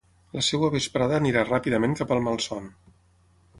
La seva vesprada anirà ràpidament cap al malson.